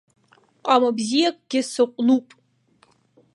Ҟама бзиаӡакгьы сыҟәнуп.